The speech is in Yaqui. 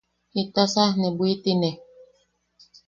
¡Jitasa ne bwitine!